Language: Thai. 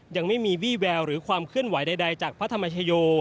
ยังไม่มีวี่แววหรือความเคลื่อนไหวใดจากพระธรรมชโย